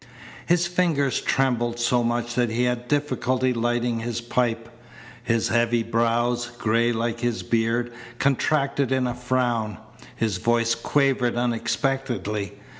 His fingers trembled so much that he had difficulty lighting his pipe. His heavy brows, gray like his beard, contracted in a frown. His voice quavered unexpectedly.